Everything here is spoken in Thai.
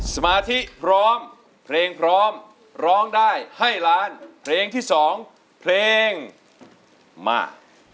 สมาธิพร้อมเพลงพร้อมร้องได้ให้ล้านเพลงที่๒เพลงมา